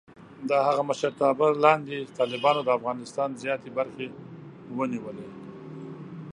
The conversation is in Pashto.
د هغه د مشرتابه لاندې، طالبانو د افغانستان زیاتې برخې ونیولې.